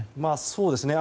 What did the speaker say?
そうですね。